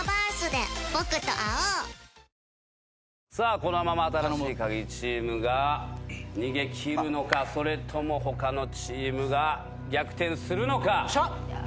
このまま新しいカギチームが逃げ切るのかそれとも他のチームが逆転するのか。